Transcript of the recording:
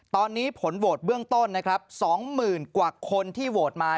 ตอนนี้ผลโหวตเบื้องต้นนะครับ๒๐๐๐กว่าคนที่โหวตมา